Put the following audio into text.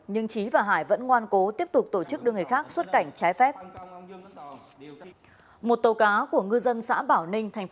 nhưng trí và hải vẫn ngoan cố tiếp tục tổ chức đưa người khác xuất cảnh trái phép